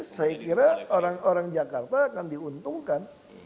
saya kira orang orang jakarta akan diuntungkan